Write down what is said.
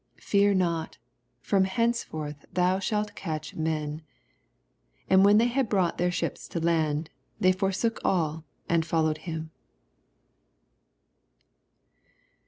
Fear not; from henceforth thou soalt catch men. 11 And when they had brought their ships to land, they forsook all, and followed him.